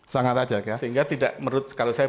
sangat ajak ya sehingga tidak menurut kalau saya